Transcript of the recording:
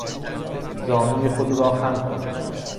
زانوی خود را خم کن.